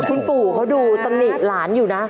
คุณปู่เขาดูตำหนิหลานอยู่นะ